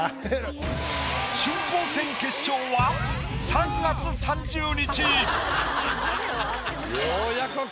春光戦決勝は３月３０日！